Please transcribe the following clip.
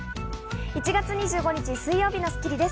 １月２５日、水曜日の『スッキリ』です。